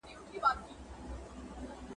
داسي آثار پرېښودل ..